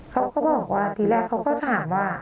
เขาก็บอกว่าทีแรกเขาก็ถามว่า